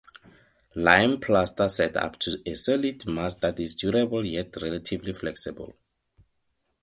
Lime plaster sets up to a solid mass that is durable yet relatively flexible.